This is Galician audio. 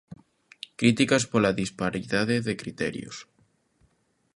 Críticas pola disparidade de criterios.